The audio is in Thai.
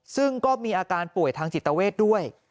ซึ่งก็มีอาการป่วยทางจิตเวทด้วย